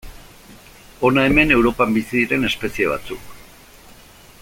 Hona hemen Europan bizi diren espezie batzuk.